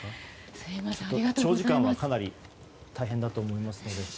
長時間はかなり大変だと思いますので。